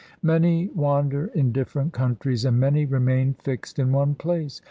Many wander in different countries, And many remain fixed in one place.